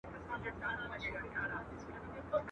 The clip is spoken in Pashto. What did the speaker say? چي ډېرى سي، مردارى سي.